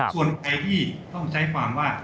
ส่วนใครที่ต้องใช้ความว่า